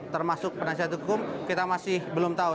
termasuk penasihat hukum kita masih belum tahu